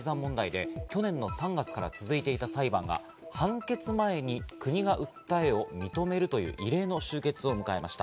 続いては森友学園をめぐる公文書改ざん問題で、去年の３月から続いていた裁判が判決前に国が訴えを認めるという異例の終結を迎えました。